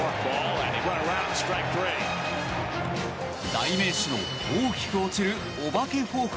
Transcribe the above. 代名詞の大きく落ちるお化けフォーク